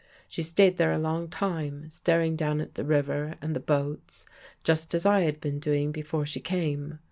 She stayed there a long time staring down at the river and the boats, just as I had been doing before she came.